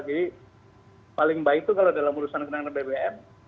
jadi paling baik itu kalau dalam urusan kenangan bbm